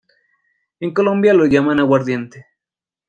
En Colombia lo llaman aguardiente.